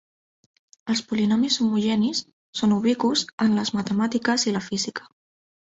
Els polinomis homogenis són ubicus en les matemàtiques i la física.